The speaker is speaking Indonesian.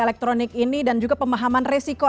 elektronik ini dan juga pemahaman resiko